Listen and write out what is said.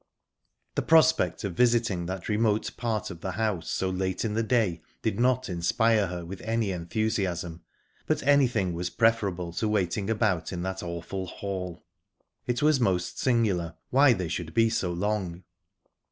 The prospect of visiting that remote part of the house so late in the day did not inspire her with any enthusiasm, but anything was preferable to waiting about in that awful hall. It was most singular why they should be so long.